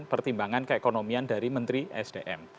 pertimbangan keekonomian dari menteri sdm